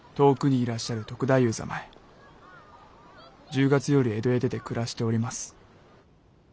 １０月より江戸へ出て暮らしております。